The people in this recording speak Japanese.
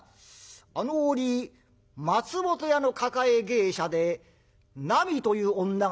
あの折松本屋の抱え芸者でなみという女がいたがどうした？」。